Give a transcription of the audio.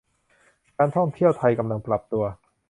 การท่องเที่ยวไทยกำลังปรับตัว